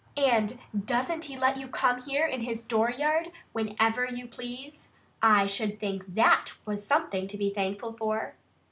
And doesn't he let you come here in his dooryard whenever you please? I should think THAT was something to be thankful for!"